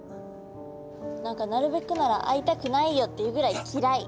何かなるべくなら会いたくないよっていうぐらいきらい。